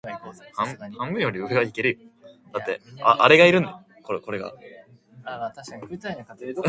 "Supertonic" also refers to a relationship of musical keys.